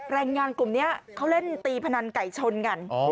แรงงานกลุ่มนี้เขาเล่นตีพนันไก่ชนกัน